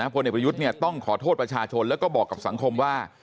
พลเอกประยุทธ์ต้องขอโทษประชาชนแล้วก็บอกกับสังคมว่า